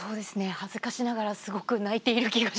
恥ずかしながらすごく泣いている気がします。